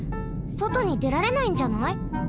そとにでられないんじゃない？